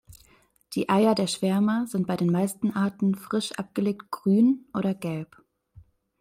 Die Eier der Schwärmer sind bei den meisten Arten frisch abgelegt grün oder gelb.